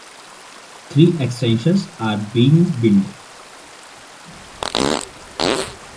Three extensions are being built.